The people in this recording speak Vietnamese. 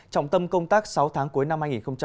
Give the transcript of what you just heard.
trọng tâm công tác sáu tháng cuối năm hai nghìn hai mươi